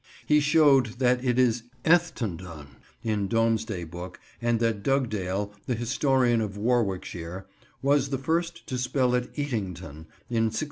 He showed that it is "Etendone" in Domesday Book, and that Dugdale, the historian of Warwickshire, was the first to spell it Eatington in 1656.